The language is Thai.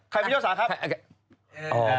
ไขมิเกาสาครับ